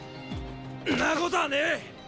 んなことはねェ！